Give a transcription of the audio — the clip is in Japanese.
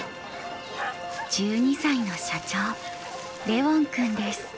１２歳の社長レウォン君です。